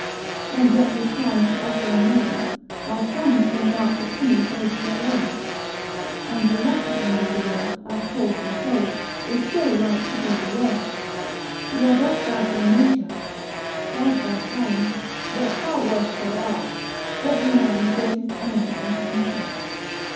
And yet with crimes to us unknown, Our sons shall mark the coming age their own; and the latter end of the world, as Paul foretold, is still like to be the worst. We are thus bad by nature, bad by kind, but far worse by art, every man the greatest enemy unto himself.